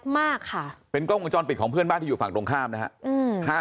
อ้มวนจรปิดของเพื่อนบ้านที่อยู่ฝั่งตรงข้ามนะครับ